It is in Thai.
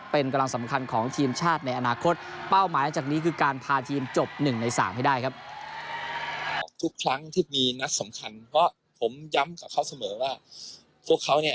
เป็นกำลังสำคัญของทีมชาติในอนาคต